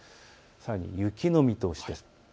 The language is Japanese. さらに雪の見通しです。